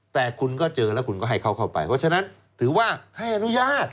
แต่คุณก็เจอแล้วคุณก็ให้เขาเข้าไปเพราะฉะนั้นถือว่าให้อนุญาต